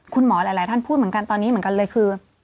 คุณหมอหลายท่านพูดเหมือนกันตอนนี้เหมือนกันเลยคือ